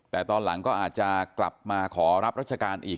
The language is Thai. แต่ตอนหลังก็อาจจะกลับมาขอรับรัชการอีก